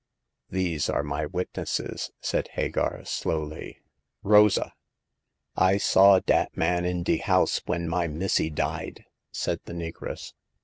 These are my witnesses," said Hagar, slowly. " Rosa !"I saw dat man in de house when my missy died," said the negress.